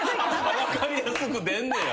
分かりやすく出んねや？